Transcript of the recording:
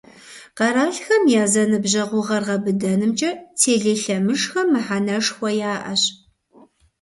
Къэралхэм я зэныбжьэгъугъэр гъэбыдэнымкӏэ телелъэмыжхэм мыхьэнэшхуэ яӏэщ.